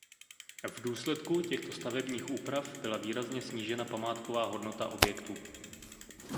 V důsledku těchto stavebních úprav byla výrazně snížena památková hodnota objektu.